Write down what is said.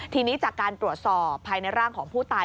ทีนี้จากการตรวจสอบภายในร่างของผู้ตาย